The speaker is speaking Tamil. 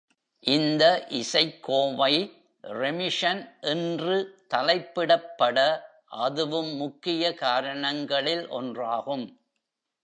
இந்த இசைக்கோவை, ரெமிஷன் என்று தலைப்பிடப்பட அதுவும் முக்கிய காரணங்களில் ஒன்றாகும்.